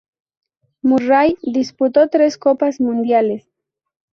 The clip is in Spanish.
Murray disputó tres Copas Mundiales.